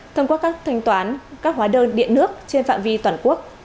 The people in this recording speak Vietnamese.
thông qua các thanh toán các hóa đơn điện nước trên phạm vi toàn quốc